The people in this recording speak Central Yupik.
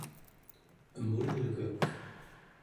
emulgek